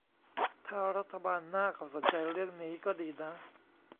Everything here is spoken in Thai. ถ้ารัฐบาลหน้าเขาสนใจเรื่องนี้ก็ดีนะ